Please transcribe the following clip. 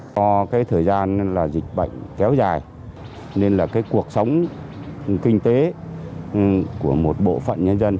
do thời gian dịch bệnh kéo dài nên cuộc sống kinh tế của một bộ phận nhân dân